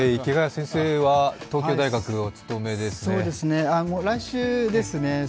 池谷先生は東京大学にお勤めですね。